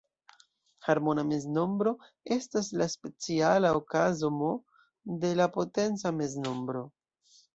Harmona meznombro estas la speciala okazo "M" de la potenca meznombro.